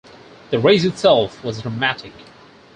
The race itself was dramatic.